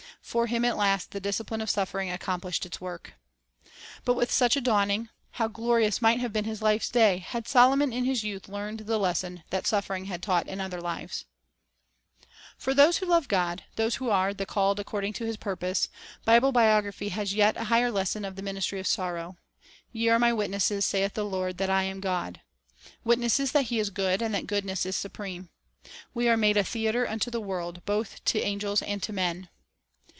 For him at last the discipline of suffering accomplished its work. But with such a dawning, how glorious might have been his life's day, had Solomon in his youth learned the lesson that suffering had tauo ht in other lives! God's Witnesses Accusation iron i Satan For those who love God, those who are "the called according to his purpose,"' Bible biography has a yet higher lesson of the ministry of sorrow. "Ye are My witnesses, saith the Lord, that I am God,"* — witnesses that He is good, and that goodness is supreme. " We are made a theater unto the world, both 3 to angels and to men."